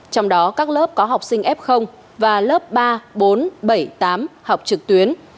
trong đó các lớp có học sinh f và lớp ba bốn bảy tám học trực tuyến